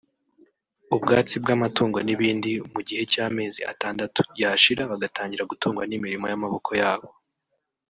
ubwatsi bw’amatungo n’ibindi mu gihe cy’amezi atandatu yashira bagatangira gutungwa n’imirimo y’amaboko yabo